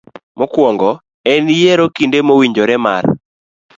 Mokwongo, en yiero kinde mowinjore mar